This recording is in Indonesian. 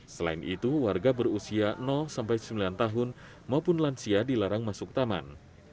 selain itu warga berusia sembilan tahun maupun lansia dilarang masuk taman